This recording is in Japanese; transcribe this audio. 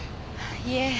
いえ。